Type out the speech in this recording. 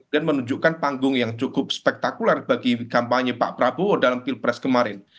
dan menunjukkan panggung yang cukup spektakuler bagi kampanye pak prabowo dalam pilpres kemarin